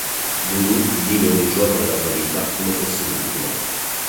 Voodoo vive ogni giorno della sua vita come fosse l'ultimo.